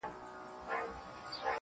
د ښاره داسې تش لاسونه بۀ دې نۀ راوستۀ